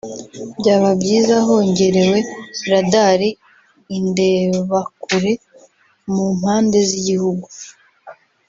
byaba byiza hongerewe radar (indebakure) mu mpande z’igihugu